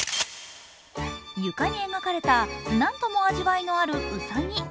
床に描かれた、何とも味わいのあるうさぎ。